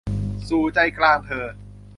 "สู่ 'ใจกลางเธอ'"